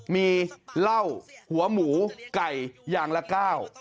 มีเหล้าหัวหมูไก่อย่างละก้าว